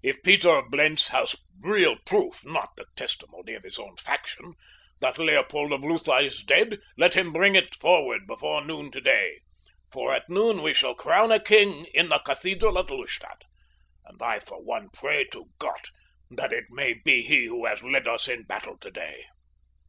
"If Peter of Blentz has real proof—not the testimony of his own faction—that Leopold of Lutha is dead, let him bring it forward before noon today, for at noon we shall crown a king in the cathedral at Lustadt, and I for one pray to God that it may be he who has led us in battle today."